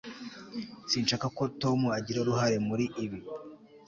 sinshaka ko tom agira uruhare muri ibi